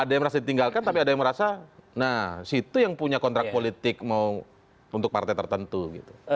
ada yang merasa ditinggalkan tapi ada yang merasa nah situ yang punya kontrak politik mau untuk partai tertentu gitu